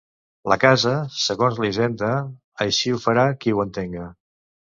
La casa, segons la hisenda. Així ho farà qui ho entenga.